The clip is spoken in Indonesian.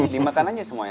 dimakan aja semuanya